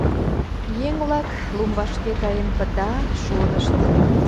Еҥ-влак, лум вашке каен пыта, шонышт.